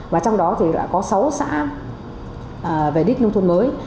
và trong đó thì đã có sáu xã về đích nông thôn mới